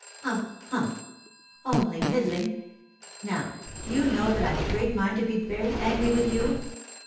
Humph, humph only middling! Now, do you know that I've a great mind to be very angry with you?"